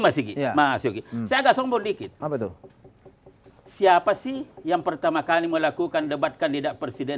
masih masih agak sombong dikit siapa sih yang pertama kali melakukan debat kandidat presiden